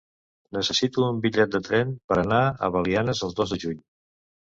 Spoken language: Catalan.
Necessito un bitllet de tren per anar a Belianes el dos de juny.